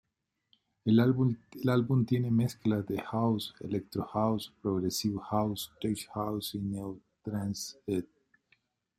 El álbum tiene mezclas de House, Electro House, Progressive house, Tech House y Neo-trance.